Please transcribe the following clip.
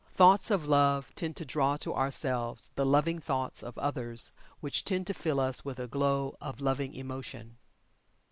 Thoughts of Love tend to draw to ourselves the loving thoughts of others which tend to fill us with a glow of loving emotion.